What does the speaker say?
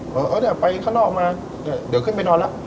อืมเออเดี๋ยวไปข้างนอกมาเดี๋ยวขึ้นไปนอนละ